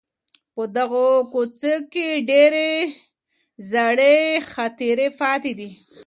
په دغه کوڅې کي ډېرې زړې خاطرې پاته دي.